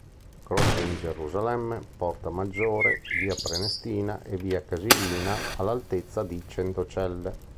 Croce in Gerusalemme, Porta Maggiore, Via Prenestina e Via Casilina all'altezza di Centocelle.